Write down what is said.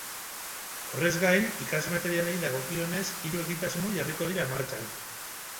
Horrez gain, ikas-materialei dagokienez hiru egitasmo jarriko dira martxan.